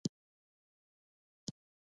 په وروستیو پېړیو کې پر تصوف باندې غلبه وکړه.